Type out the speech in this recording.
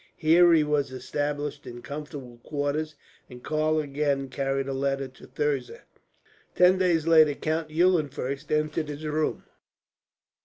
Here he was established in comfortable quarters, and Karl again carried a letter to Thirza. Ten days later Count Eulenfurst entered his room.